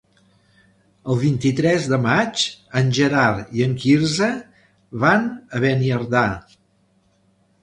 El vint-i-tres de maig en Gerard i en Quirze van a Beniardà.